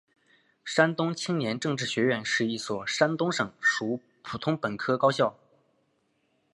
山东青年政治学院是一所山东省属普通本科高校。